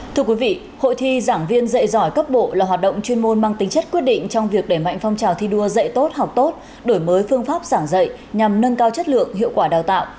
thưa quý vị hội thi giảng viên dạy giỏi cấp bộ là hoạt động chuyên môn mang tính chất quyết định trong việc đẩy mạnh phong trào thi đua dạy tốt học tốt đổi mới phương pháp giảng dạy nhằm nâng cao chất lượng hiệu quả đào tạo